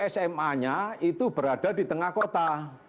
sma nya itu berada di tengah kota